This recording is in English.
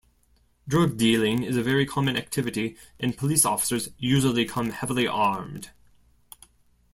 Drug dealing is a very common activity and police officers usually come heavily armed.